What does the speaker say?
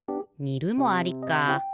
「にる」もありか。